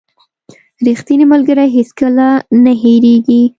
• ریښتینی ملګری هیڅکله نه هېریږي.